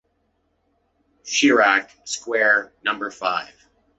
Chirac square, number five